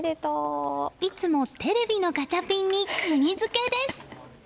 いつもテレビのガチャピンに釘付けです。